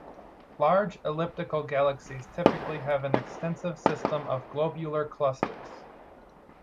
Large elliptical galaxies typically have an extensive system of globular clusters.